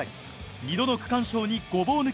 ２度の区間賞にごぼう抜き。